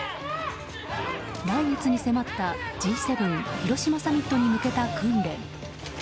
来月に迫ったＧ７広島サミットに向けた訓練。